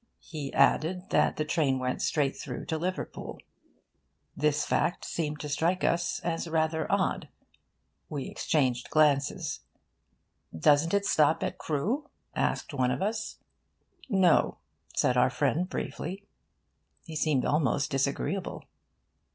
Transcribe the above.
He added that the train went straight through to Liverpool. This fact seemed to strike us as rather odd. We exchanged glances. 'Doesn't it stop at Crewe?' asked one of us. 'No,' said our friend, briefly. He seemed almost disagreeable.